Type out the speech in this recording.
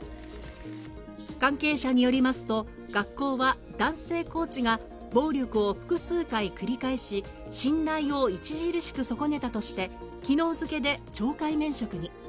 関係者によりますと、学校は男性コーチが暴力を複数回繰り返し、信頼を著しく損ねたとして昨日付けで懲戒免職に。